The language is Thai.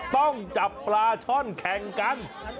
ต้องจับปลาช่อนแข่งกัน